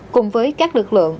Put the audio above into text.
cùng với các lực lượng